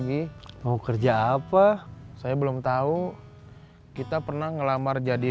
kalau berhasil kuningan sekarang lagi